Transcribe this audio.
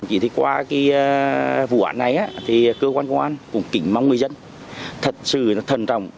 chỉ qua cái vụ án này thì cơ quan công an cũng kính mong người dân thật sự thân trọng